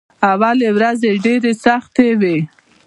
اولې ورځې ډېرې سختې وې.